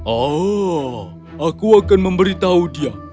oh aku akan memberitahu dia